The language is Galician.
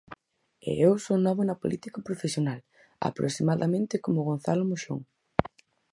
E eu son novo na política profesional, aproximadamente como Gonzalo Moxón.